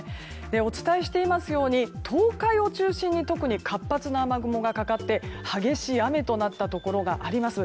お伝えしていますように東海を中心に特に活発な雨雲がかかって激しい雨となったところがあります。